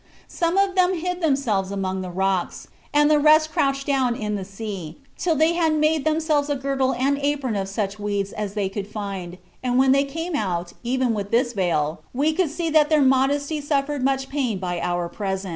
Some of them hid themselves among the rocks, and the rest crouched down in the sea till they had made themselves a girdle and apron of such weeds as they could find, and when they came out, even with this veil, we could see that their modesty suffered much pain by our presence."